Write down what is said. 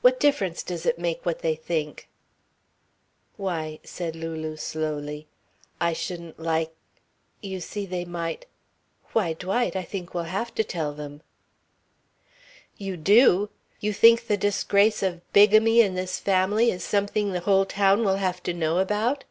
"What difference does it make what they think?". "Why," said Lulu slowly, "I shouldn't like you see they might why, Dwight, I think we'll have to tell them." "You do! You think the disgrace of bigamy in this family is something the whole town will have to know about?"